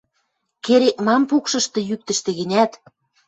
– Керек-мам пукшышты, йӱктӹштӹ гӹнят...